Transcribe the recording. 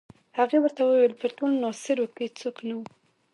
هغې ورته وویل په ټول ناصرو کې څوک نه وو.